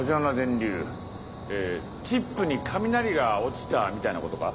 チップに雷が落ちたみたいなことか？